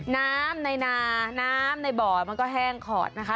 น้ำในนาน้ำในบ่อมันก็แห้งขอดนะคะ